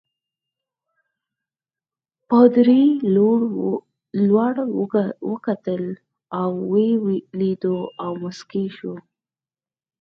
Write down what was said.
پادري لوړ وکتل ویې لیدو او مسکی شو.